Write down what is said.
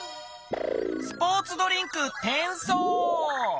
スポーツドリンクてんそう。